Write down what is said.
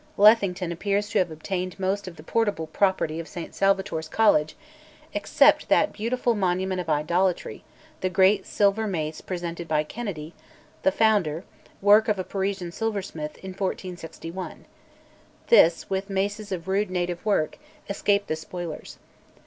Lethington appears to have obtained most of the portable property of St Salvator's College except that beautiful monument of idolatry, the great silver mace presented by Kennedy, the Founder, work of a Parisian silversmith, in 1461: this, with maces of rude native work, escaped the spoilers.